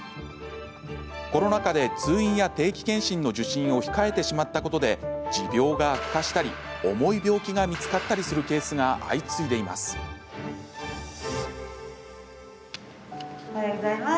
コロナ禍で通院や定期健診の受診を控えてしまったことで持病が悪化したり重い病気が見つかったりするケースが相次いでいます。